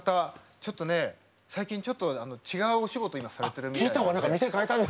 ちょっとね最近、ちょっと違うお仕事を今、されてるみたいで。